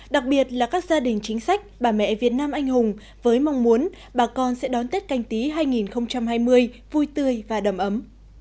đặc biệt là các gia đình chính sách bà mẹ việt nam anh hùng với mong muốn bà con sẽ đón tết canh tí hai nghìn hai mươi vui tươi và đầm ấm